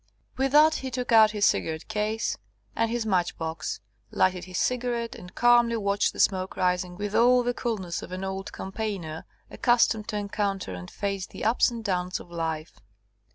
With that he took out his cigarette case, and his match box, lighted his cigarette, and calmly watched the smoke rising with all the coolness of an old campaigner accustomed to encounter and face the ups and downs of life.